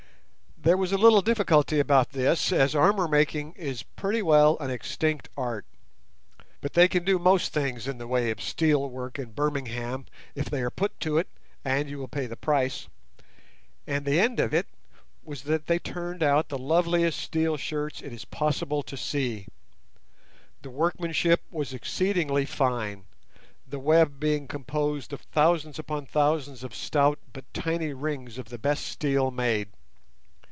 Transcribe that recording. There was a little difficulty about this, as armour making is pretty well an extinct art, but they can do most things in the way of steel work in Birmingham if they are put to it and you will pay the price, and the end of it was that they turned us out the loveliest steel shirts it is possible to see. The workmanship was exceedingly fine, the web being composed of thousands upon thousands of stout but tiny rings of the best steel made.